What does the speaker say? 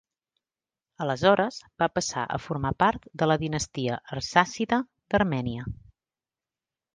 Aleshores va passar a formar part de la dinastia Arsàcida d'Armènia.